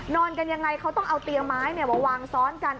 นอนกันยังไงเขาต้องเอาเตียงไม้มาวางซ้อนกัน